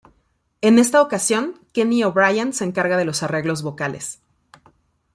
En esta ocasión, Kenny O'Brien se encarga de los arreglos vocales.